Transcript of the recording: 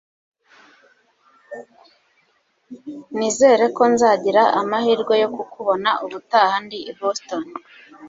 nizere ko nzagira amahirwe yo kukubona ubutaha ndi i boston